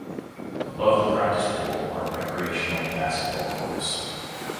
Above the Practice Pool are recreational basketball courts.